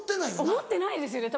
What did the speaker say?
思ってないですよね